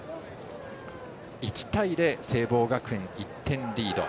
１対０で聖望学園、１点リード。